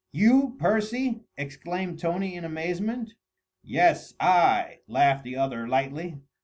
"You, Percy!" exclaimed Tony in amazement. "Yes, I," laughed the other lightly.